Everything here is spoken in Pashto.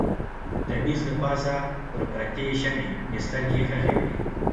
د مېز له پاسه پر پرتې شمعې مې سترګې ښخې کړې.